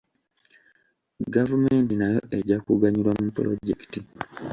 Gavumenti nayo ejja kuganyulwa mu pulojekiti.